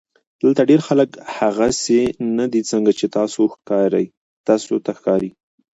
دلته ډېر خلک هغسې نۀ دي څنګه چې تاسو ته ښکاري